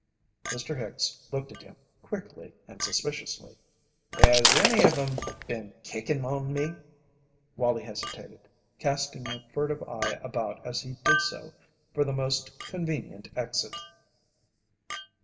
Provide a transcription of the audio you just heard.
Mr. Hicks looked at him quickly and suspiciously. "Has any of 'em been kickin' on me?" Wallie hesitated, casting a furtive eye about as he did so for the most convenient exit.